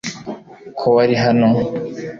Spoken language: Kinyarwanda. ko wari hano